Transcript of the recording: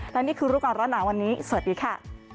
และนี่คือรู้ก่อนร้อนหนาวันนี้สวัสดีค่ะ